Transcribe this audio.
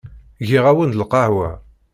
Giɣ-awen-d lqahwa.